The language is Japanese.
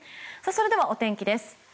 それではお天気です。